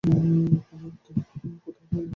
কুমু একটি কথাও বললে না।